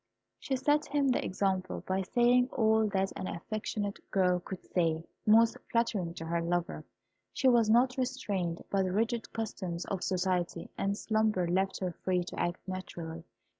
She set him the example, by saying all that an affectionate girl could say, most flattering to her lover. She was not restrained by the rigid customs of society, and slumber left her free to act naturally.